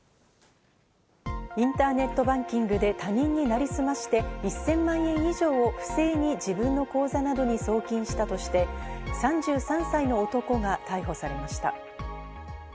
インターネットバンキングで他人になりすまして１０００万円以上を不正に自分の口座などに送金したとして、３３歳の男が逮捕されました。